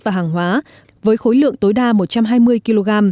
và hàng hóa với khối lượng tối đa một trăm hai mươi kg